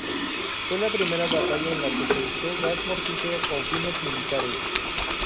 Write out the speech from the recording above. Fue la primera batalla en la que se usó gas mortífero con fines militares.